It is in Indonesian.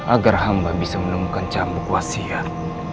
agar hamba bisa menemukan cambuk wasiat